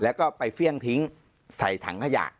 แล้วก็ไปเฟี่ยงทิ้งใส่ถังขยะ